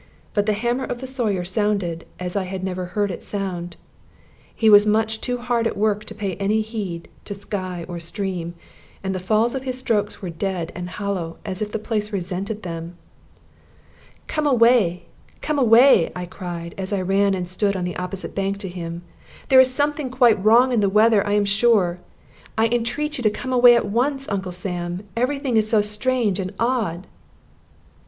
But the hammer of the Sawyer sounded as I had never heard it sound. He was much too hard at work to pay any heed to sky or stream, and the fall of his strokes was dead and hollow, as if the place resented them. "Come away, come away," I cried, as I ran and stood on the opposite bank to him; "there is something quite wrong in the weather, I am sure. I entreat you to come away at once, Uncle Sam. Every thing is so strange and odd."